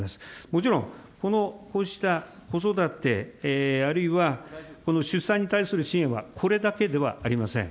もちろん、このこうした子育て、あるいはこの出産に対する支援はこれだけではありません。